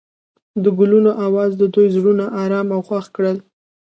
د ګلونه اواز د دوی زړونه ارامه او خوښ کړل.